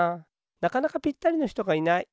なかなかぴったりのひとがいない。